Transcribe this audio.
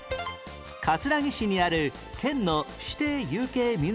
葛城市にある県の指定有形民俗